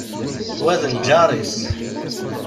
Wa d lǧar-is.